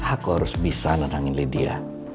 aku harus bisa nenangin lydia